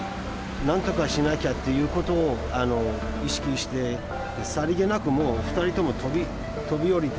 なんとかしなきゃということを意識して、さりげなく、もう２人とも飛び降りて。